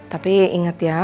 tapi inget ya